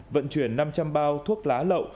vận chuyển năm trăm linh bao thuốc lá lậu